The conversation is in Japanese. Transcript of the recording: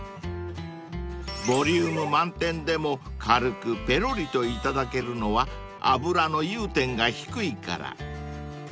［ボリューム満点でも軽くぺろりと頂けるのは脂の融点が低いから］